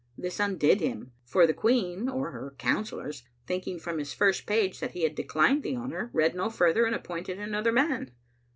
This undid him, for the Queen, or her councillors, thinking from his first page that he had declined the honor, read no further, and appointed another man.